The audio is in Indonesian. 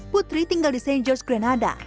putri tinggal di st george grenada